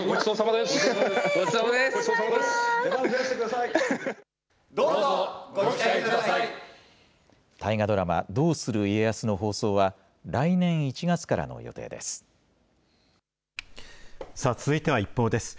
大河ドラマ、どうする家康の放送は、来年１月からの予定です。